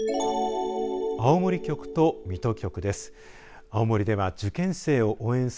青森局と水戸局です。